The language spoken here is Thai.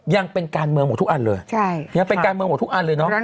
ยังเป็นการเมืองหมดทุกอันเลยยังเป็นการเมืองหมดทุกอันเลยเนาะ